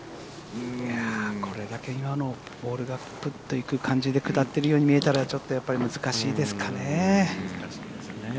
これだけ今のホールがいく感じで下ってるように見えたらやっぱり難しいですかね。